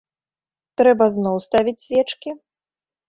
Трэба зноў ставіць свечкі?